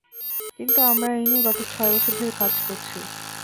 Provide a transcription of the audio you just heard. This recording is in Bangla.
কিন্তু আমরা এ নিয়ে গত ছয় বছর ধরে কাজ করছি।